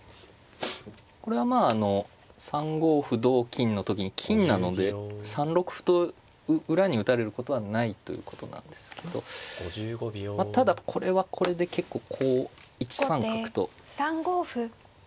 これは３五歩同金の時に金なので３六歩と裏に打たれることはないということなんですけどただこれはこれで結構こう１三角と動いていく筋とかがあって。